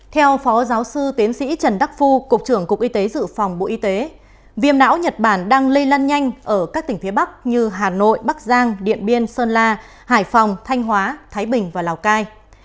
theo phó giáo sư tiến sĩ trần đắc phu cục trưởng cục y tế dự phòng bộ y tế viêm não nhật bản đang lây lan nhanh ở các tỉnh phía bắc như hà nội bắc giang điện biên sơn la hải phòng thanh hóa thái bình và lào cai